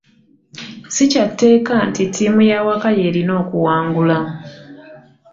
Si kya tteeka nti ttiimu y'awaka y'erina okuwangula.